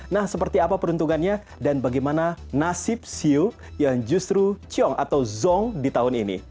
nah seperti apa peruntungannya dan bagaimana nasib siu yang justru ciong atau zong di tahun ini